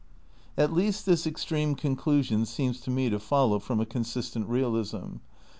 At least this extreme conclusion seems to me to fol low from a consistent realism.